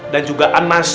dan juga anas